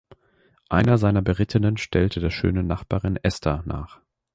Einer seiner Berittenen stellte der schönen Nachbarin Esther nach.